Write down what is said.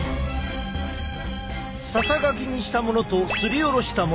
ささがきにしたものとすりおろしたもの